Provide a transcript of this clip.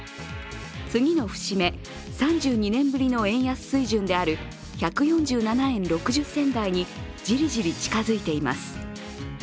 次の節目、３２年ぶりの円安水準である１４７円６０銭台にじりじり近づいています。